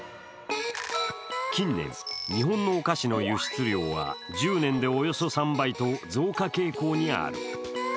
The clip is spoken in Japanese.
近年、日本のお菓子の輸出量は１０年でおよそ３倍と増加傾向にある。